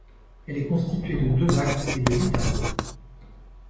Elle est constituée de deux actes et de huit tableaux.